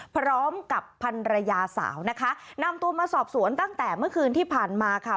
พร้อมกับพันรยาสาวนะคะนำตัวมาสอบสวนตั้งแต่เมื่อคืนที่ผ่านมาค่ะ